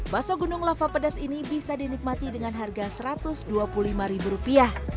baso gunung lava pedas ini bisa dinikmati dengan harga satu ratus dua puluh lima ribu rupiah